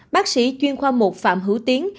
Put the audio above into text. bác sĩ chuyên khoa một phạm hữu tiến